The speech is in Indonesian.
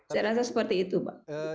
saya rasa seperti itu pak